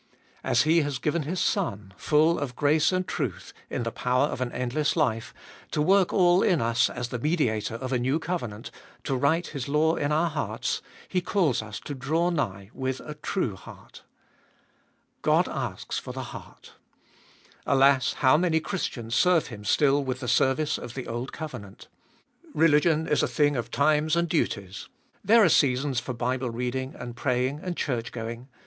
As He has given His Son, full of grace and truth, in the power of an endless life, to work all in us as the Mediator of a new covenant, to write His law in our hearts, He calls us to draw nigh with a true heart. God asks for the heart. Alas, how many Christians serve Him still with the service of the old covenant. Religion is a thing of times and duties. There are seasons for Bible reading and praying and church going.